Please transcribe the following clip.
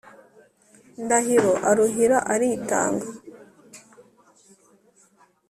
ndahiro aruhira: aritanga